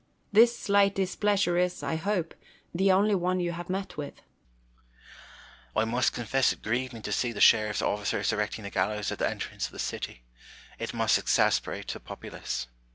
This slight displeasure is, I hope, the only one you have met with. Pliilip Savage. I must confess it grieved me to see the sheriS''s officers erecting the gallows at the entrance of the city : it must exasperate the populace.